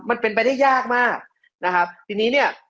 มันเป็นไปได้ยากมากนะครับทีนี้เนี่ย